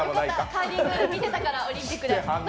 カーリング見てたからオリンピックで。